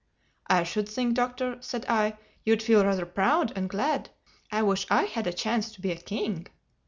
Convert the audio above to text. "I should think, Doctor," said I, "you'd feel rather proud and glad. I wish I had a chance to be a king."